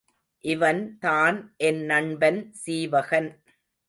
இவன் தான் என் நண்பன் சீவகன்.